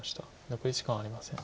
残り時間はありません。